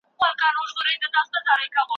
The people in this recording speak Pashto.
الله دې زموږ رښتيني اتلان ژوندي لري.